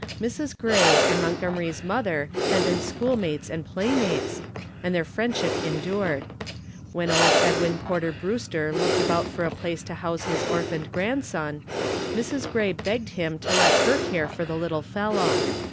Mrs. Gray and Montgomery's mother had been schoolmates and playmates, and their friendship endured. When old Edwin Peter Brewster looked about for a place to house his orphaned grandson, Mrs. Gray begged him to let her care for the little fellow.